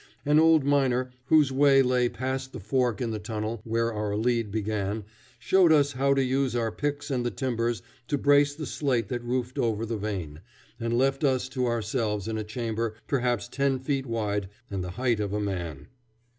An old miner whose way lay past the fork in the tunnel where our lead began showed us how to use our picks and the timbers to brace the slate that roofed over the vein, and left us to ourselves in a chamber perhaps ten feet wide and the height of a man.